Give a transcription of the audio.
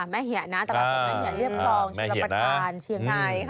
แม่เหี่ยนะตลาดสดแม่เหยีเรียบคลองชลประธานเชียงใหม่